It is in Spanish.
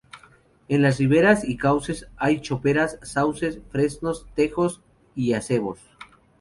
En las riberas y cauces hay choperas, sauces, fresnos, tejos y acebos.